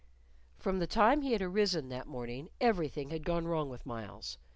From the time he had arisen that morning everything had gone wrong with Myles.